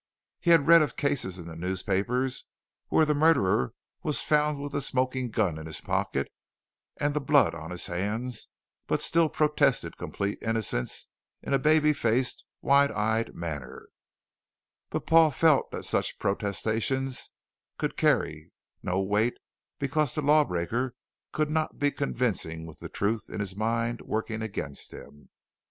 He had read of cases in the newspapers where the murderer was found with the smoking gun in his pocket and the blood on his hands but still protested complete innocence in a baby faced, wide eyed manner, but Paul felt that such protestation could carry no weight because the lawbreaker could not be convincing with the truth in his mind working against him.